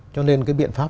cho nên cái biện pháp